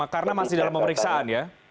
karena masih dalam pemeriksaan ya